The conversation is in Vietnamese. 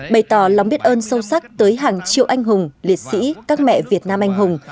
bày tỏ lòng biết ơn sâu sắc tới hàng triệu anh hùng liệt sĩ các mẹ việt nam anh hùng